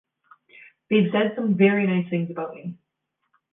They've said some very nice things about me.